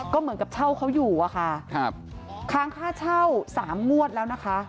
ก็เหมือนกับเช่าเขาอยู่อะค่ะครับค้างค่าเช่าสามงวดแล้วนะคะ